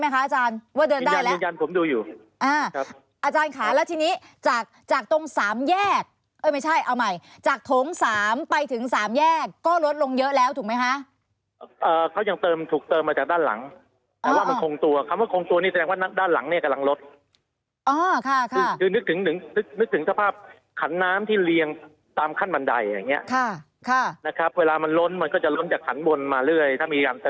คือโถง๑โถง๒โถง๓ด้านหน้าเนี่ย